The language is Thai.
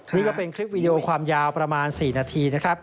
นี่ก็เป็นคลิปวีดีโอความยาวประมาณ๔นาทีนะครับ